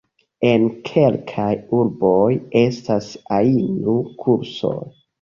En kelkaj urboj estas ainu-kursoj.